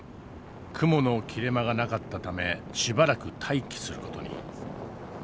雲の切れ間がなかったためしばらく待機する事に。